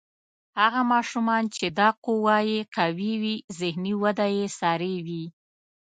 هغه ماشومان چې دا قوه یې قوي وي ذهني وده یې سریع وي.